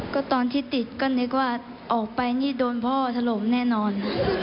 ก็ตอนที่ติดก็นึกว่าออกไปนี่โดนพ่อถล่มแน่นอน